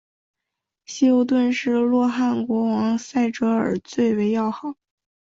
希优顿是洛汗国王塞哲尔最为要好。